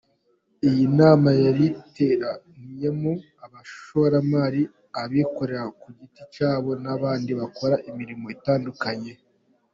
Iyi nama yariteraniyemo Abashoramari, Abikorera ku giti cyabo n’abandi bakora imirimo itandukanye.